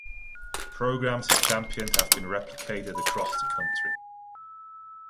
Programs he championed have been replicated across the country.